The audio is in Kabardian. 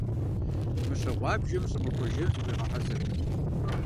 Мыщэ гъуабжэм щӀымахуэ жейм зыхуегъэхьэзыр.